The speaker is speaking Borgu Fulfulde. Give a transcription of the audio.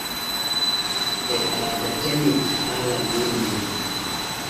Ɓe baajake men haala gurnan.